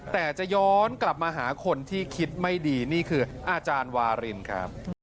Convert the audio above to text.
แต่จะย้อนกลับมาหาคนที่คิดไม่ดีนี่คืออาจารย์วารินครับ